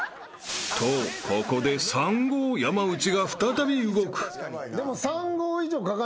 ［とここで３５山内が再び動く］